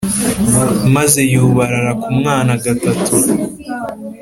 Maze yubarara ku mwana gatatu